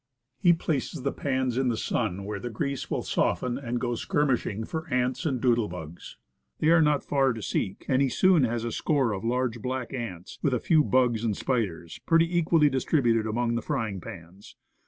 He places the pans in the sun where the grease will soften and goes skirmishing for ants and doodle bugs. They are not far to seek, and he soon has a score of large black ants, with a few~bugs and spiders, pretty equally distributed among the frying pans.